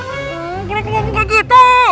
gak gara gara kaget ter